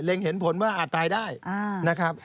เห็นผลว่าอาจตายได้นะครับ